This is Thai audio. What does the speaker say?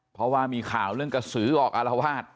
เพราะว่ามีข่าวเรื่องกระสือออกอารวาส